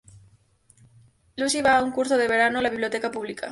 Lucy va a un curso de verano a la biblioteca pública.